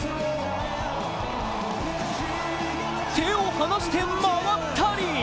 手を放して回ったり！